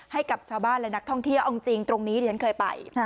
ให้กับชาวบ้านและนักท่องเที่ยวเอาจริงตรงนี้ที่ฉันเคยไป